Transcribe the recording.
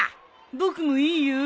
僕もいいよ。